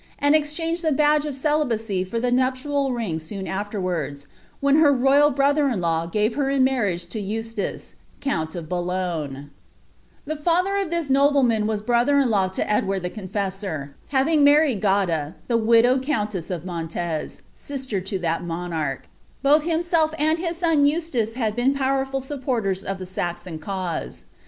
and exclHa|ld the t«dge of celilmcy for the nuptial rin^ soon aflerwarda, wbtn Iw royal brother in law gave her in marriage to Eustace, i;ount of Boi^ The father of this nobleman was brother in law to Edward tlie Coe> fessor, having married Goda, the widowed countess of Mantes, etsier to that monarch; both himself and his son Eustace had been poweiful supporters of the Saxon cause.